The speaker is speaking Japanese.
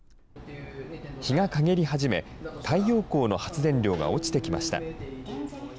日がかげり始め、太陽光の発電量が落ちてきました。